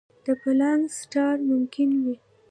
د پلانک سټار ممکن وي.